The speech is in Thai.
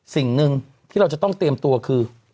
สิ่งหนึ่งที่เราจะต้องเตรียมตัวคือ